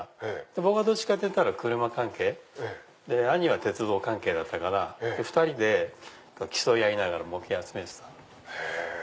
僕はどっちかっていったら車関係兄は鉄道関係だったから２人で競い合いながら模型集めてたの。